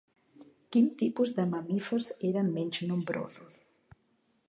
Quin tipus de mamífers eren menys nombrosos?